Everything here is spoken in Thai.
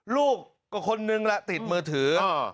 ลูกนิดหนึ่งละติดมือถือ